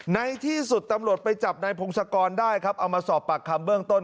ในที่สุดตำรวจไปจับนายพงศกรได้ครับเอามาสอบปากคำเบื้องต้น